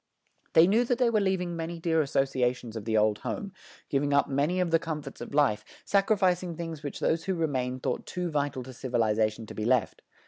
They knew that they were leaving many dear associations of the old home, giving up many of the comforts of life, sacrificing things which those who remained thought too vital to civilization to be left.